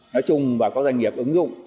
nói chung và các doanh nghiệp ứng dụng